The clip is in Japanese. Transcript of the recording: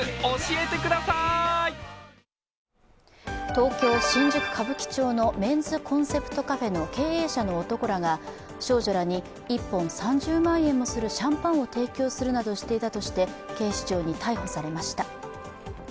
東京、新宿・歌舞伎町のメンズコンセプトカフェの少女らに１本３０万円もするシャンパンを提供するなどしていたとして、警視庁に逮捕されました。